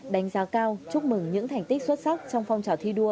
đánh giá cao chúc mừng những thành tích xuất sắc trong phong trào thi đua